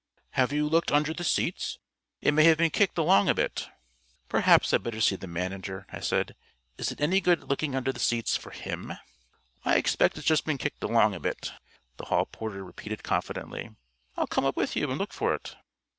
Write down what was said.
"Have you looked under the seats? It may have been kicked along a bit." "Perhaps I'd better see the manager," I said. "Is it any good looking under the seats for him?" "I expect it's just been kicked along a bit," the hall porter repeated confidently. "I'll come up with you and look for it."